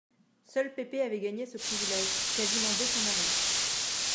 Seul Pépé avait gagné ce privilège, quasiment dès son arrivée.